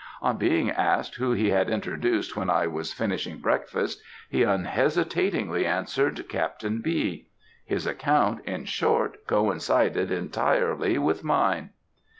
On being asked who he had introduced when I was finishing breakfast, he unhesitatingly answered, Captain B. His account, in short, coincided entirely with mine.